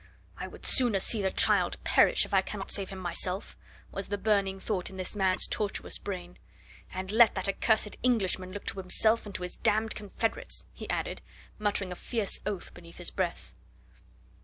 "I would sooner see the child perish, if I cannot save him myself," was the burning thought in this man's tortuous brain. "And let that accursed Englishman look to himself and to his d d confederates," he added, muttering a fierce oath beneath his breath.